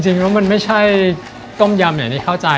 จริงแล้วมันไม่ใช่ต้มยำอย่างที่เข้าใจ